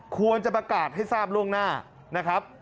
ควรจะประกาศให้ทราบล่วงหน้านะครับ